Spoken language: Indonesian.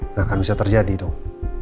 nggak akan bisa terjadi dong